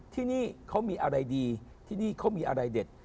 ที่นี่เขามีอะไรดีที่นี่เขามีอะไรเด็ด